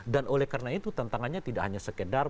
dan oleh karena itu tantangannya tidak hanya sekedar